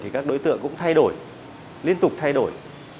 các đối tượng cũng thay đổi liên tục thay đổi